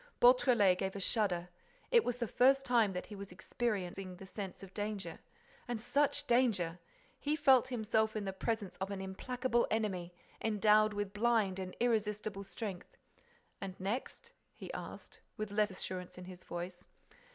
Beautrelet gave a shudder. It was the first time that he was experiencing the sense of danger. And such danger! He felt himself in the presence of an implacable enemy, endowed with blind and irresistible strength. "And next?" he asked, with less assurance in his voice.